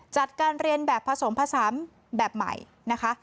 จัดการเรียนแบบผสมผสานแบบใหม่นะคะ